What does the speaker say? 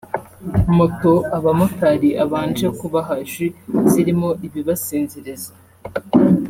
Moto abamotari abanje kubaha Jus zirimo ibibasinziriza